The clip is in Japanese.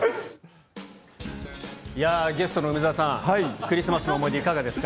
いやー、ゲストの梅澤さん、クリスマスの思い出、いかがですか。